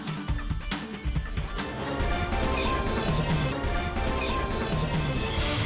kalian mau kualifikasi